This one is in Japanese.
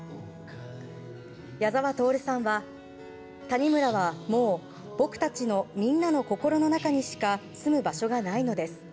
矢沢透さんは谷村はもう僕たちのみんなの心の中にしか住む場所がないのです。